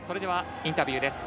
インタビューです。